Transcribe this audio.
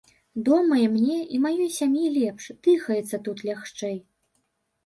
Дома і мне, і маёй сям'і лепш, дыхаецца тут лягчэй.